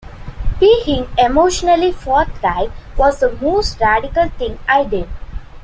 Being emotionally forthright was the most radical thing I did.